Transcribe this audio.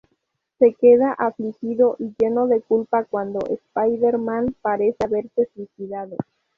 Se queda afligido y lleno de culpa cuando Spider-Man parece haberse suicidado.